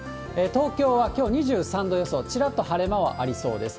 東京はきょう２３度予想、ちらっと晴れ間はありそうです。